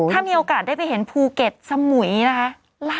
ถ้ามีโอกาสได้ไปเห็นภูเก็ตสมุยนะคะ